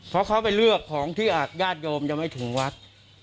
เพราะเขาไปเลือกของที่ญาติโยมยังไม่ถึงวัด